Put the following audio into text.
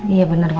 iya bener papa